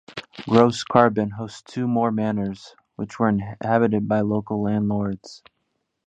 Gross-Karben hosts two more manors which were inhabited by local landlords.